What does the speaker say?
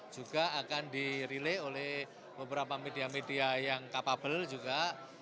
juga akan dirilis oleh beberapa media media yang capable juga